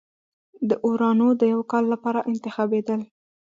داورانو د یوه کال لپاره انتخابېدل.